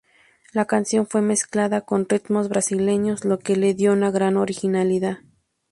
La canción fue mezclada con ritmos brasileños, lo que le dio una gran originalidad.